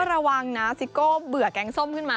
ระวังนะซิโก้เบื่อแกงส้มขึ้นมา